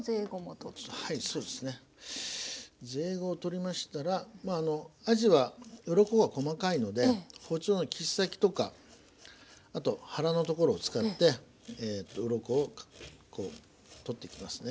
ゼイゴを取りましたらあじはウロコは細かいので包丁の切っ先とかあと腹の所を使ってウロコをこう取っていきますね。